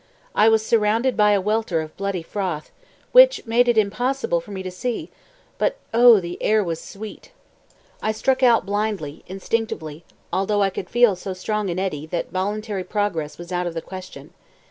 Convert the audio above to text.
I was surrounded by a welter of bloody froth, which, made it impossible for me to see; but oh, the air was sweet! I struck out blindly, instinctively, although I could feel so strong an eddy that voluntary progress was out of the question.